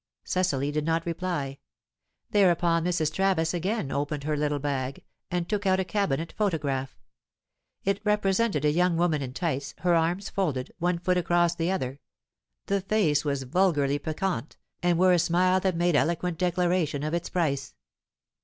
Cecily did not reply. Thereupon Mrs. Travis again opened her little bag, and took out a cabinet photograph. It represented a young woman in tights, her arms folded, one foot across the other; the face was vulgarly piquant, and wore a smile which made eloquent declaration of its price.